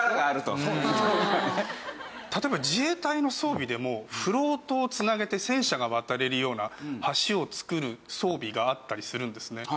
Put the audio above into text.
例えば自衛隊の装備でもフロートを繋げて戦車が渡れるような橋を作る装備があったりするんですね。